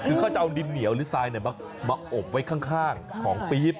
คือเขาจะเอาดินเหนียวหรือทรายมาอบไว้ข้างของปี๊บ